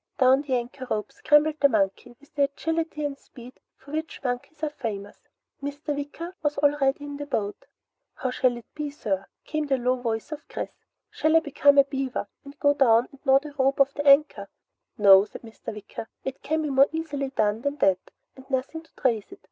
Down the anchor rope scrambled the monkey with the agility and speed for which monkeys are famous. Mr. Wicker was already in the boat. "How shall it be, sir?" came the low voice of Chris. "Shall I become a beaver and go down and gnaw the rope off at the anchor?" "No," said Mr. Wicker. "It can be more easily done than that and nothing to trace it.